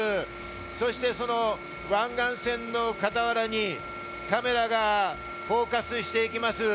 そして湾岸線の傍らにカメラがフォーカスしていきます。